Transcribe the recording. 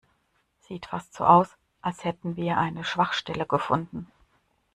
Sieht fast so aus, als hätten wir eine Schwachstelle gefunden.